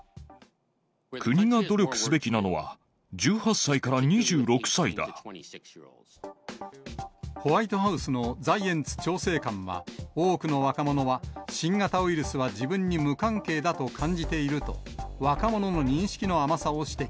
国が努力すべきなのは、ホワイトハウスのザイエンツ調整官は、多くの若者は新型ウイルスは自分に無関係だと感じていると、若者の認識の甘さを指摘。